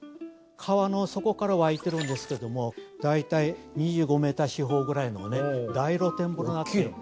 川の底から湧いてるんですけども大体２５ｍ四方くらいの大露天風呂になってるの。